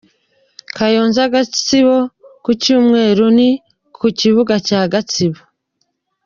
Kayonza-Gatsibo : Ku cyumweru ni ku kibuga cya Gatsibo.